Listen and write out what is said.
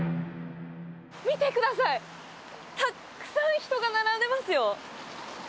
見てください、たくさん人が並んでますよ。